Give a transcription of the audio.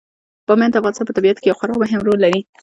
بامیان د افغانستان په طبیعت کې یو خورا مهم رول لري.